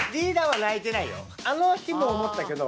あの日も思ったけど。